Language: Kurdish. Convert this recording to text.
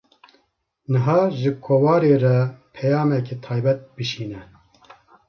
Niha, ji kovarê re peyameke taybet bişîne